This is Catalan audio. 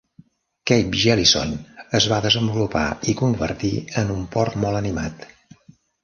Cape Jellison es va desenvolupar i convertir en un port molt animat.